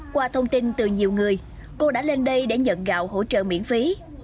qua thông tin từ nhiều người cô đã lên đây để nhận gạo hỗ trợ miễn phí